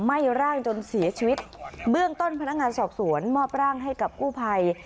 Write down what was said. ไหม้ร่างจนเสียชีวิตเบื้องต้นพนักงานสอบสวนมอบร่างให้กับกู้ภัย